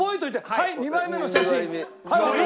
はい２枚目の写真。